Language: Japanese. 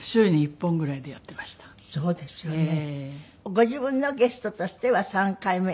ご自分のゲストとしては３回目。